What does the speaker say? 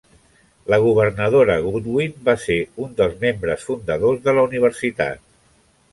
La governadora Godwin va ser un dels membres fundadors de la universitat.